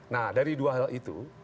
nah dari dua hal itu